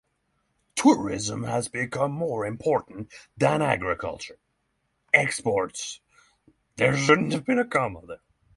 Tourism has become more important than agricultural exports as a source of foreign exchange.